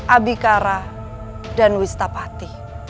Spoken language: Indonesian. abikara dan wistapati